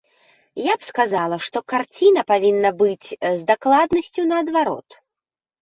Я б сказала, што карціна павінна быць з дакладнасцю наадварот.